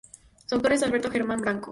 Su autor es Alberto Germán Franco.